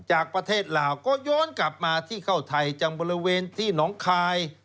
จากประเทศลาวก็ย้อนกลับมาที่เข้าไทยจังบริเวณที่หนองคาย